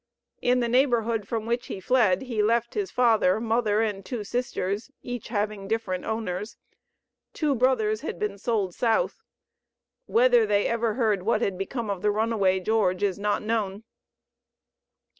In the neighborhood from which he fled he left his father, mother and two sisters, each having different owners. Two brothers had been sold South. Whether they ever heard what had become of the runaway George is not known.